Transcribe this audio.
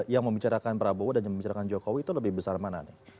yang membicarakan prabowo dan yang membicarakan jokowi itu lebih besar mana nih